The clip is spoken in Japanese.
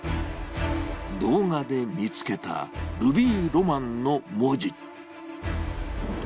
動画で見つけたルビーロマンの文字。